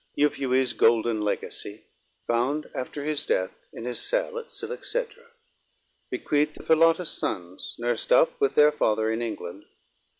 Euphues golden legacie: found after his death _in his Cell at Si_lexedra. Bequeathed to Philautus sonnes noursed vp with their father in England.